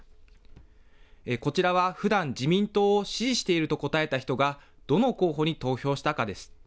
こちらはふだん、自民党を支持していると答えた人が、どの候補に投票したかです。